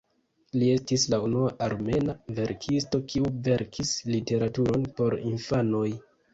Li estis la unua armena verkisto kiu verkis literaturon por infanoj.